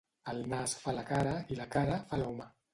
El nas fa la cara i la cara fa l'home.